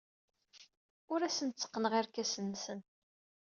Ur asen-tteqqneɣ irkasen-nsen.